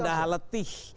ya dia udah letih